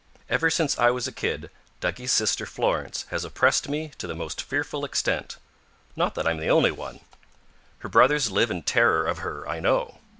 Ever since I was a kid, Duggie's sister Florence has oppressed me to the most fearful extent. Not that I'm the only one. Her brothers live in terror of her, I know.